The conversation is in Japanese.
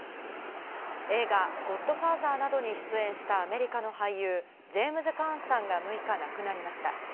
映画『ゴッドファーザー』などに出演したアメリカの俳優、ジェームズ・カーンさんが６日、亡くなりました。